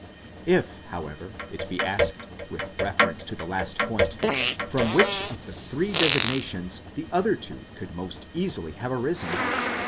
If, however, it be asked with reference to the last point, from which of the three designations the other two could most easily have arisen